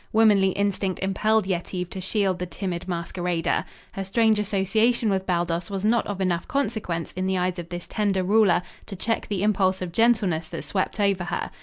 Womanly instinct impelled Yetive to shield the timid masquerader. Her strange association with Baldos was not of enough consequence in the eyes of this tender ruler to check the impulse of gentleness that swept over her.